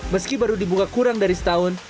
meski baru dibuka kurang dari setahun